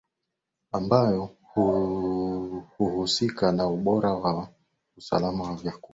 ambayo huhusika na ubora na usalama wa vyakula